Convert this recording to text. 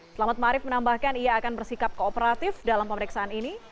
selamat ⁇ maarif menambahkan ia akan bersikap kooperatif dalam pemeriksaan ini